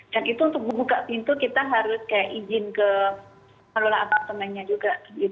dan itu untuk membuka pintu kita harus izin ke lelah apartemennya juga